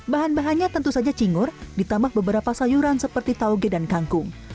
bahan bahannya tentu saja cingur ditambah beberapa sayuran seperti tauge dan kangkung